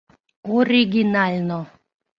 — Оригинально.